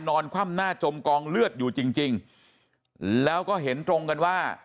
คว่ำหน้าจมกองเลือดอยู่จริงจริงแล้วก็เห็นตรงกันว่า